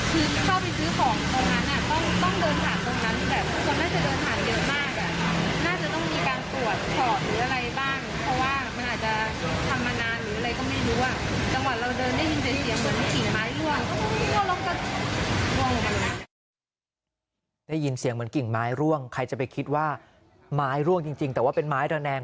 คนน่าจะเดินหาเยอะมากน่าจะต้องมีการตรวจสอบหรืออะไรบ้าง